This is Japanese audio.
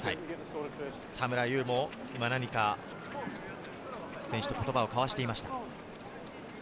田村優も何か選手と言葉を交わしていました。